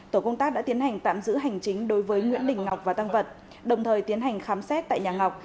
tổ công tác đã tiến hành tạm giữ hành chính đối với nguyễn đình ngọc và tăng vật đồng thời tiến hành khám xét tại nhà ngọc